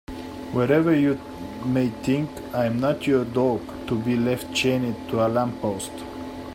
Whatever you may think I'm not your dog to be left chained to a lamppost.